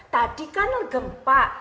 tadi kan gempa